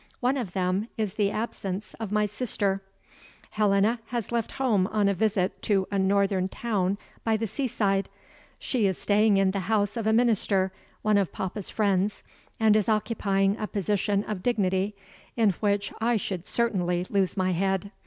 One of them is the absence of my sister. Helena has left home on a visit to a northern town by the seaside. She is staying in the house of a minister (one of papa's friends), and is occupying a position of dignity in which I should certainly lose my head.